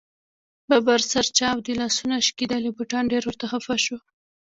ببر سر، چاودې لاسونه ، شکېدلي بوټان ډېر ورته خفه شو.